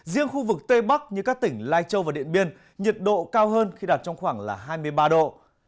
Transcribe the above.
riêng khu vực tây bắc như các tỉnh lai châu và điện biên nhiệt độ cao hơn khi đạt trong khoảng hai mươi ba độ